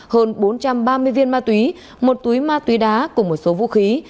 hơn bốn trăm ba mươi viên ma túy một túi ma túy đá cùng một số vũ khí